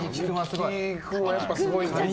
神木君はやっぱすごいね。